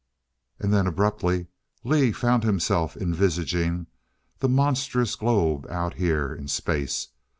And then abruptly Lee found himself envisaging the monstrous globe out here in Space.